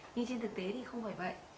nhưng trên thực tế thì không phải vậy